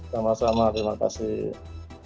sama sama terima kasih